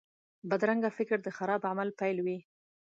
بدرنګه فکر د خراب عمل پیل وي